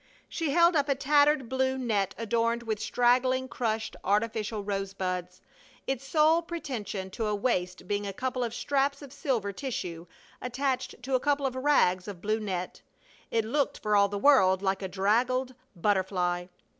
She held up a tattered blue net adorned with straggling, crushed, artificial rosebuds, its sole pretension to a waist being a couple of straps of silver tissue attached to a couple of rags of blue net. It looked for all the world like a draggled butterfly.